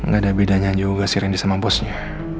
gak ada bedanya juga si rendy sama bosnya